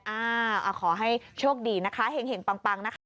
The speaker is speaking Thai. อ่าขอให้โชคดีนะคะเห็งปังนะคะ